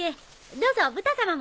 どうぞブタ様も。